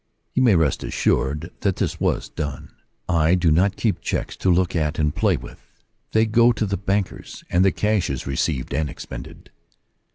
You may rest assured that this was done. I do not keep checks to look at and play with : they go to the banker's, and the cash is received and expended.